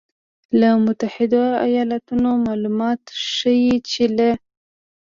له متحدو ایالتونو مالومات ښیي چې له